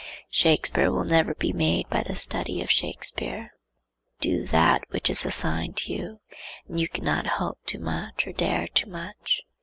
Shakspeare will never be made by the study of Shakspeare. Do that which is assigned you, and you cannot hope too much or dare too much.